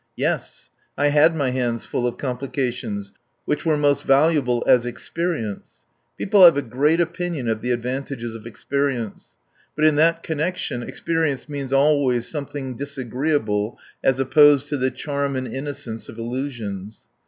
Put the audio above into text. Yes. I had my hands full of complications which were most valuable as "experience." People have a great opinion of the advantages of experience. But in this connection experience means always something disagreeable as opposed to the charm and innocence of illusions.